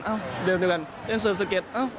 เอ้าเดินเต็มทั้งกันเดินเซิร์ชสเก็ตเอ้า